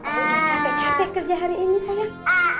udah capek capek kerja hari ini sayang